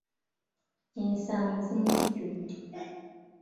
Ensaamu zinzijjudde.